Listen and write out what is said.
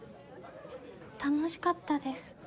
楽しかったです。